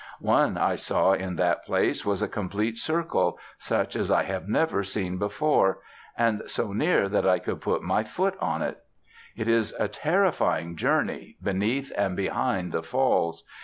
One I saw in that place was a complete circle, such as I have never seen before, and so near that I could put my foot on it. It is a terrifying journey, beneath and behind the Falls.